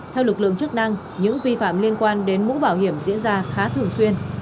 theo lực lượng chức năng những vi phạm liên quan đến mũ bảo hiểm diễn ra khá thường xuyên